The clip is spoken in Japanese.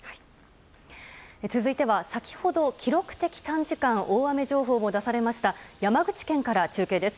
続いては、先ほど記録的短時間大雨情報を出されました山口県から中継です。